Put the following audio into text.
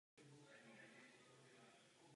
Také probíhá významná diskuse o klonovaných zvířatech.